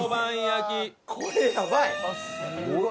これやばい！